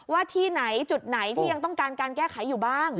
ที่ไหนจุดไหนที่ยังต้องการการแก้ไขอยู่บ้าง